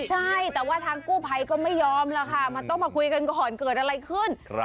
ใช่แต่ว่าทางกู้ภัยก็ไม่ยอมแล้วค่ะมันต้องมาคุยกันก่อนเกิดอะไรขึ้น